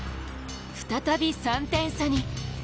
再び３点差に。